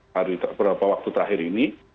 beberapa waktu terakhir ini